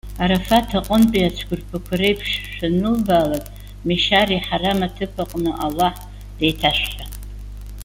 Арафаҭ аҟынтәи ацәқәырԥақәа реиԥш шәанылбаалак, Мешьари Ҳарам аҭыԥ аҟны Аллаҳ деиҭашәҳәа.